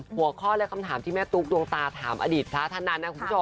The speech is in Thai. หัวข้อและคำถามที่แม่ตุ๊กดวงตาถามอดีตพระท่านนั้นนะคุณผู้ชม